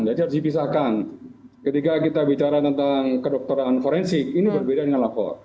saya ingin menjelaskan ketika kita bicara tentang kedokteran forensik ini berbeda dengan lapor